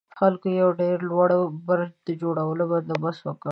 خلکو د يوه ډېر لوړ برج د جوړولو بندوبست وکړ.